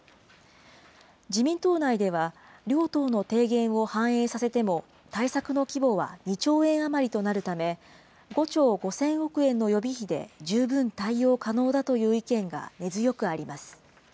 自民党内では、両党の提言を反映させても、対策の規模は２兆円余りとなるため、５兆５０００億円の予備費で十分対応可能だという意見が根強くあります。